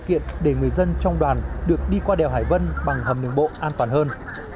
kiện để người dân trong đoàn được đi qua đèo hải vân bằng hầm đường bộ an toàn hơn